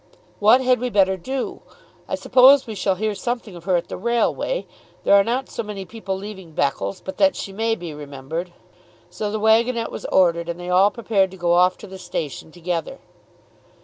"What had we better do? I suppose we shall hear something of her at the railway. There are not so many people leaving Beccles but that she may be remembered." So the waggonette was ordered, and they all prepared to go off to the station together.